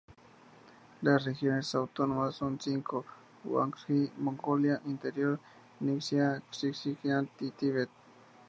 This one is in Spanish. Las regiones autónomas son cinco: Guangxi, Mongolia Interior, Ningxia, Xinjiang y Tíbet.